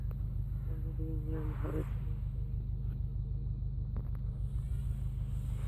কাল যদি ইংল্যান্ড হারে শ্রীলঙ্কার বিপক্ষে, তবেই বেঁচে থাকবে প্রোটিয়াদের আশা।